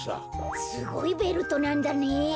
すごいベルトなんだねえ。